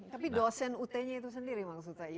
tapi dosen ut nya itu sendiri maksudnya